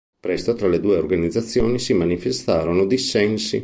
Presto tra le due organizzazioni si manifestarono dissensi.